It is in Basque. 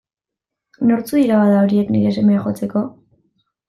Nortzuk dira, bada, horiek, nire semea jotzeko?